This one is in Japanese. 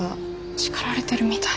叱られてるみたい。